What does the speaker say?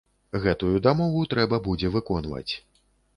Гэтую дамову трэба будзе выконваць.